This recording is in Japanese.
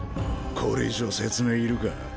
これ以上説明いるか？